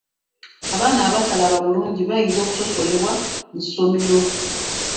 Abaana abatalaba bulungi bayinza okusosolebwa mu ssomero.